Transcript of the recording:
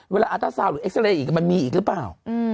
เวลาอัลตอร์ซัลหรือเอ็กซ์แลยมันมีอีกหรือเปล่า